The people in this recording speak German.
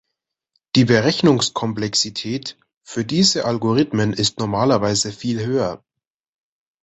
Die Berechnungskomplexität für diese Algorithmen ist normalerweise viel höher.